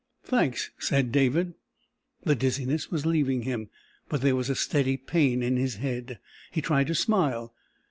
"Thanks," said David. The dizziness was leaving him, but there was a steady pain in his head. He tried to smile.